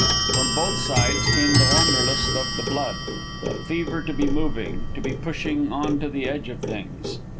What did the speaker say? From both sides came the Wanderlust of the blood, the fever to be moving, to be pushing on to the edge of things.